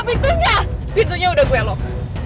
clara buka pintunya pintunya udah gue loh